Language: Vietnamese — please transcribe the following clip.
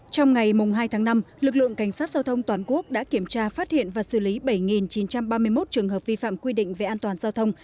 trong ngày hai tháng năm lực lượng cảnh sát giao thông toàn quốc đã kiểm tra phát hiện và xử lý bảy chín trăm ba mươi một trường hợp vi phạm quy định về an toàn giao thông